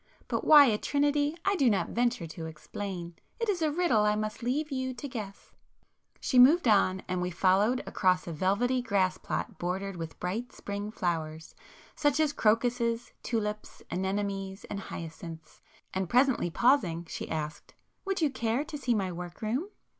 But why a trinity I do not venture to explain!—it is a riddle I must leave you to guess!" She moved on, and we followed across a velvety grass plot bordered with bright spring flowers, such as crocuses, tulips, anemones, and hyacinths, and presently pausing she asked—"Would you care to see my work room?"